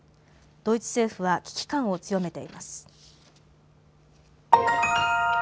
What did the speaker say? ドイツ政府は危機感を強めています。